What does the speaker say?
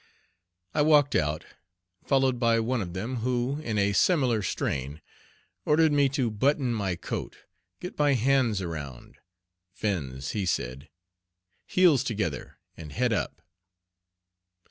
I walked out, followed by one of them, who, in a similar strain, ordered me to button my coat, get my hands around "fins" he said heels together, and head up.